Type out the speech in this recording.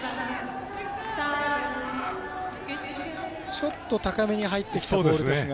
ちょっと高めに入ってきたボールですが。